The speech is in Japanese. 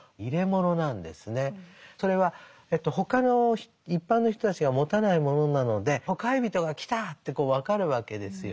それは他の一般の人たちが持たないものなのでほかひびとが来たって分かるわけですよね。